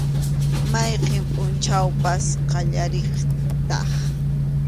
Mayqin pʼunchawpas qallariqtaq.